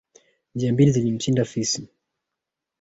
Njia mbili zilimshinda fisi.